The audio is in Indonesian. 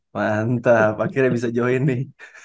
mantap akhirnya bisa join nih